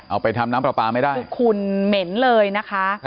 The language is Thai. เอาไปทำน้ำขับะไม่ได้ขุ่นเหม็นเลยนะคะ